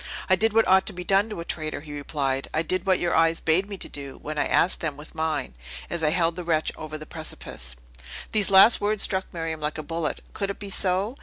"I did what ought to be done to a traitor!" he replied. "I did what your eyes bade me do, when I asked them with mine, as I held the wretch over the precipice!" These last words struck Miriam like a bullet. Could it be so?